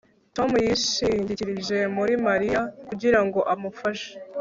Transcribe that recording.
Tom yishingikirije kuri Mariya kugira ngo amufashe